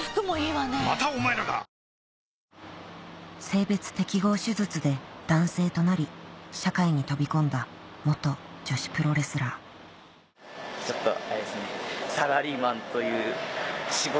性別適合手術で男性となり社会に飛び込んだ女子プロレスラーちょっとあれですね。